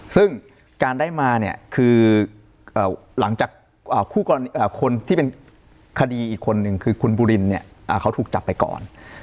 ซึ่งการได้มาเนี่ยคือหลังจากคนที่เป็นคดีอีกคนนึงคือคุณบุรินเนี่ยเขาถูกจับไปก่อน